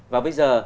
và bây giờ